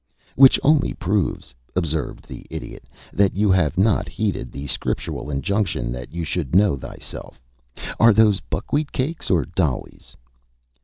"Which only proves," observed the Idiot, "that you have not heeded the Scriptural injunction that you should know thyself. Are those buckwheat cakes or doilies?"